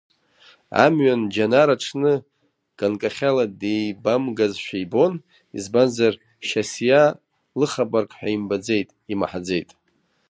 Амҩан Џьанар аҽны ганкахьала деибамгазшәа ибон, избанзар Шьасиа лыхабарк ҳәа имбаӡеит, имаҳаӡеит.